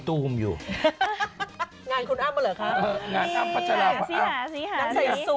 ไปกันหมดเลย